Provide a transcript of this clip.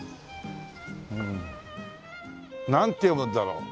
なんて読むんだろう？